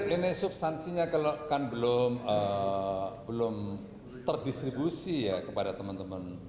ini substansinya kan belum terdistribusi ya kepada teman teman